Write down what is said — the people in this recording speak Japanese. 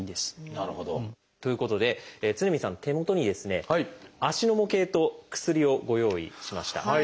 なるほど。ということで常深さんの手元に足の模型と薬をご用意しました。